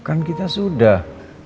kan kita sudah